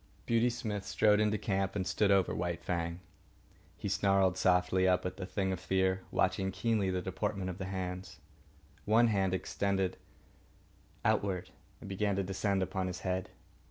Beauty Smith strode into camp and stood over White Fang. He snarled softly up at the thing of fear, watching keenly the deportment of the hands. One hand extended outward and began to descend upon his head.